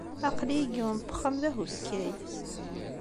Aql-iyi deg yiwen n uxxam d ahuskay.